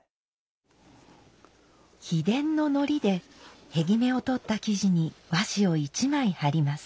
秘伝の糊で片木目を取った木地に和紙を１枚貼ります。